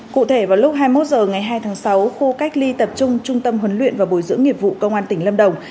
cụ thể vào lúc hai mươi một h ngày hai tháng sáu khu cách ly tập trung trung tâm huấn luyện và bồi dưỡng nghiệp vụ công an tỉnh lâm đồng